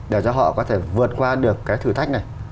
để cho họ có thể vượt qua được cái thử thách này